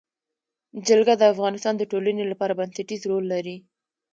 جلګه د افغانستان د ټولنې لپاره بنسټيز رول لري.